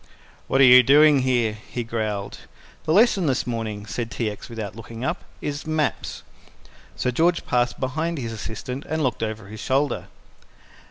"What are you doing there?" he growled. "The lesson this morning," said T. X. without looking up, "is maps." Sir George passed behind his assistant and looked over his shoulder.